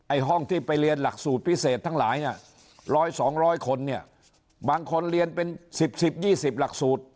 ไอ้ห้องที่ไปเรียนหลักสูตรพิเศษทั้งหลายน่ะร้อยสองร้อยคนเนี่ยบางคนเรียนเป็นสิบสิบยี่สิบหลักสูตร